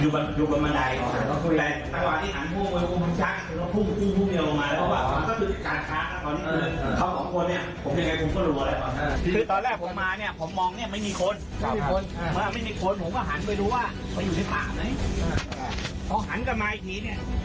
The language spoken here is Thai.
ไปดูว่าเขาอยู่ในป่าไหมอ้างกับมาอีกทีเนี่ย